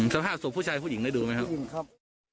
สภาพศพผู้ชายผู้หญิงได้ดูไหมครับ